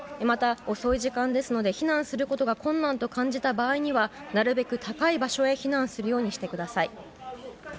また遅い時間ですので避難することが困難と感じた場合にはなるべく高い場所へ避難するようにしてください。